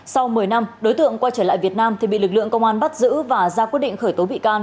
sau một mươi năm đối tượng quay trở lại việt nam thì bị lực lượng công an bắt giữ và ra quyết định khởi tố bị can